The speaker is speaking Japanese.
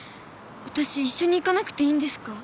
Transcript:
私一緒に行かなくていいんですか？